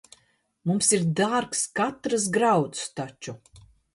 Mums ir dārgs katrs grauds taču.